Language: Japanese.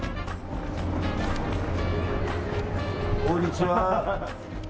こんにちは。